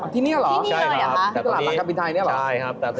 ที่นี่เหรอตลาดปังกับวิทยาลัยใช่ครับ